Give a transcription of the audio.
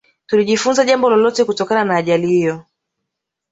Tulijifunza jambo lolote kutokana na ajali hiyo